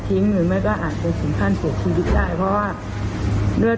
ถ้าไม่มีเกร็ดเลือด